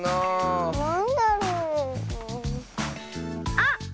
あっ！